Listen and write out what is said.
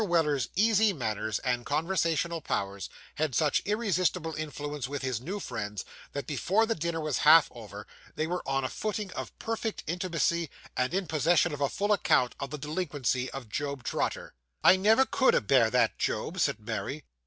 Weller's easy manners and conversational powers had such irresistible influence with his new friends, that before the dinner was half over, they were on a footing of perfect intimacy, and in possession of a full account of the delinquency of Job Trotter. 'I never could a bear that Job,' said Mary.